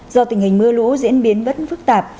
do tình hình mưa lũ diễn biến vẫn phức tạp